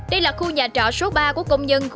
đây là khu nhà trọ số ba của công nhân